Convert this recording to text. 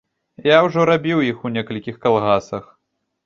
Я ўжо рабіў іх у некалькіх калгасах.